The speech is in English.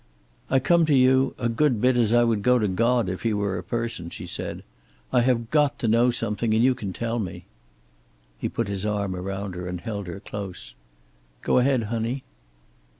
"I come to you, a good bit as I would go to God, if he were a person," she said. "I have got to know something, and you can tell me." He put his arm around her and held her close. "Go ahead, honey."